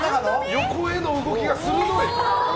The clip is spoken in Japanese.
横への動きが鋭い。